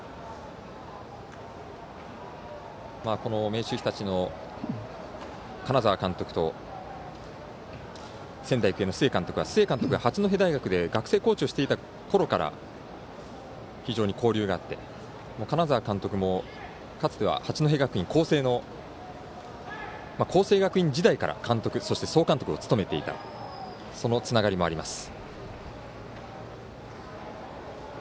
明秀日立の金沢監督と仙台育英の須江監督は須江監督が八戸大学で学生コーチをしていたころから非常に交流があって金沢監督もかつては八戸学院光星の光星学院時代から監督、そして総監督を務めていたそのつながりもあります。